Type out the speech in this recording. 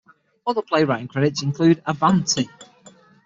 Other playwrighting credits include Avanti!